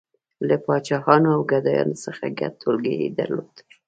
• له پاچاهانو او ګدایانو څخه ګډ ټولګی یې درلود.